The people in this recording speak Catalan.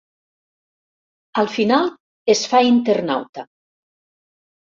Al final, es fa internauta.